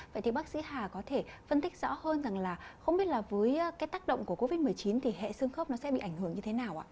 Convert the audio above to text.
vậy thì bác sĩ hà có thể phân tích rõ hơn rằng là không biết là với cái tác động của covid một mươi chín thì hệ xương khớp nó sẽ bị ảnh hưởng như thế nào ạ